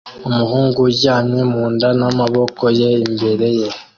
Umuhungu uryamye mu nda n'amaboko ye imbere ye